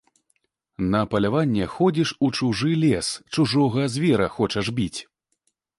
На паляванне ходзіш у чужы лес, чужога звера хочаш біць.